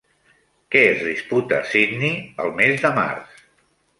Què es disputà a Sydney el mes de març?